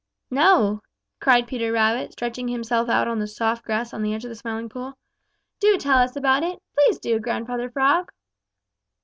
"No," cried Peter Rabbit, stretching himself out in the soft grass on the edge of the Smiling Pool. "Do tell us about it. Please do, Grandfather Frog!"